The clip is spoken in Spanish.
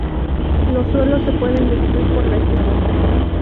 Los suelos se pueden destruir por las lluvias.